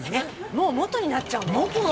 もう「元」になっちゃうの？